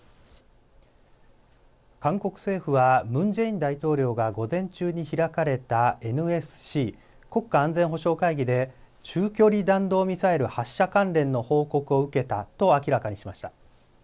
韓国政府はムン・ジェイン大統領が午前中に開かれたＮＳＣ・国家安全保障会議で中距離弾道ミサイル発射関連の報告を受けたと明らかにしました。